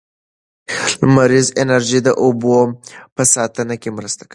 لمریزه انرژي د اوبو په ساتنه کې مرسته کوي.